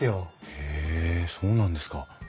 へえそうなんですか。